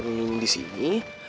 kamu mau kukutuk disini